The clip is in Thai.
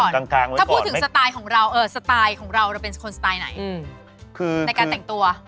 ถ้าพูดถึงสไตล์ในการแต่งตัว